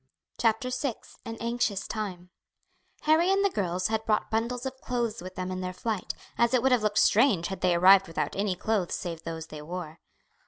CHAPTER VI An Anxious Time Harry and the girls had brought bundles of clothes with them in their flight, as it would have looked strange had they arrived without any clothes save those they wore.